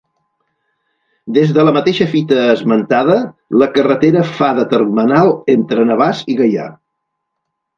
Des de la mateixa fita esmentada, la carretera fa de termenal entre Navàs i Gaià.